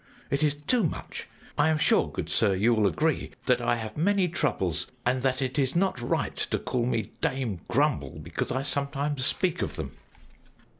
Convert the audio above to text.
It is too much! I am sure, good sir, you will agree that I have many troubles, and that it is not right to call me Dame Grumble because I sometimes speak of them."